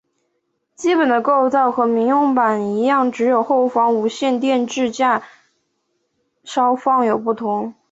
基本的构造和民用版一样只有后方无线电机置放架稍有不同。